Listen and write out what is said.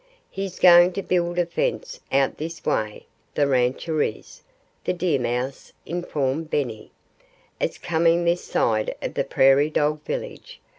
"He's going to build a new fence out this way the rancher is!" the deer mouse informed Benny. "It's coming this side of the Prairie Dog village.